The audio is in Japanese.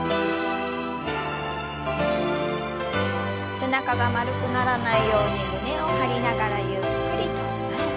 背中が丸くならないように胸を張りながらゆっくりと前。